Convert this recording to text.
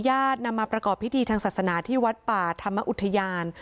ญาตินำมาประกอบพิธีทางศาสนาที่วัดป่าธรรมอุทยาน